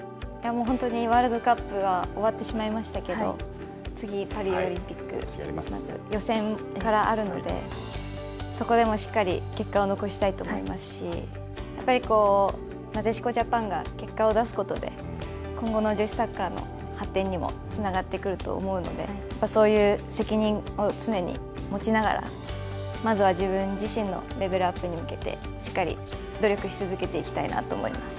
ワールドカップは終わってしまいましたけど、次、パリオリンピック、まず予選からあるので、そこでもしっかり結果を残したいと思いますし、やっぱりこう、なでしこジャパンが結果を出すことで、今後の女子サッカーの発展にもつながってくると思うので、そういう責任を常に持ちながら、まずは自分自身のレベルアップに向けて、しっかり努力し続けていきたいなと思います。